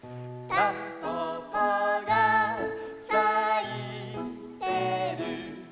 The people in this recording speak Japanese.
「たんぽぽがさいてる」